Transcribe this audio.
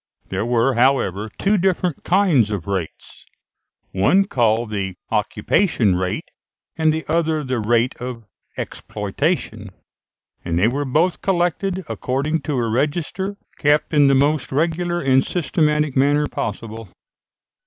There were, however, two different kinds of rates, one called the occupation rate, and the other the rate of exploitation; and they were both collected according to a register, kept in the most regular and systematic manner possible.